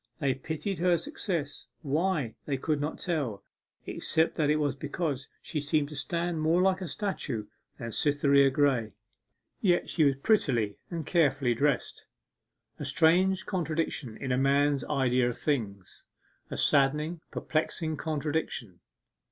They pitied her success, why, they could not tell, except that it was because she seemed to stand more like a statue than Cytherea Graye. Yet she was prettily and carefully dressed; a strange contradiction in a man's idea of things a saddening, perplexing contradiction.